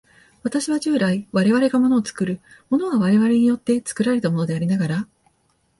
私は従来、我々が物を作る、物は我々によって作られたものでありながら、